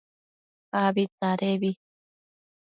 Abi tsadebi